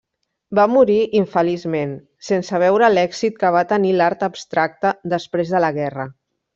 Va morir infeliçment, sense veure l'èxit que va tenir l'art abstracte després de la guerra.